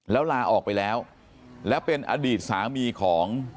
แล้วลาออกไปแล้วและเป็นอดีตสามีของ